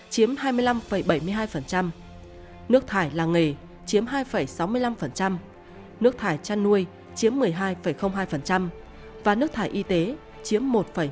chiếm hai mươi năm bảy mươi hai nước thải làng nghề chiếm hai sáu mươi năm nước thải chăn nuôi chiếm một mươi hai hai và nước thải y tế chiếm một ba mươi